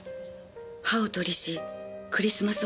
「葉をとりしクリスマス